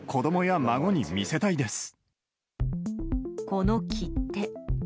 この切手。